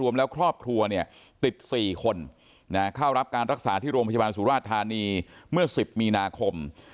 แล้วครอบครัวเนี่ยติด๔คนเข้ารับการรักษาที่โรงพยาบาลสุราชธานีเมื่อ๑๐มีนาคม